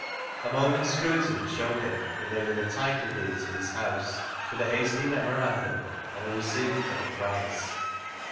A moment's scrutiny showed him that they were the title deeds of his house, with a hasty memorandum and a receipt for the price.